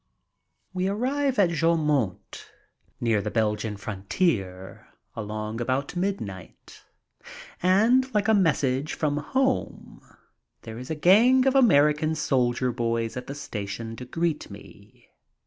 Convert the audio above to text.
We arrive at Joumont near the Belgian frontier along about midnight, and, like a message from home, there is a gang of American soldier boys at the station to greet me.